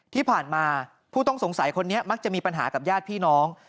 ผู้ต้องหาผู้ต้องสงสัยคนนี้มักจะมีปัญหากับญาติพี่น้อง